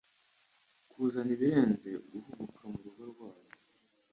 kuzana ibirenze guhubuka murugo rwabo